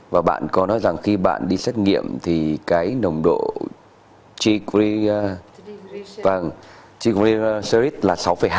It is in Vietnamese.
và bạn có nói rằng khi bạn đi xét nghiệm thì cái nồng độ triglycerides là sáu hai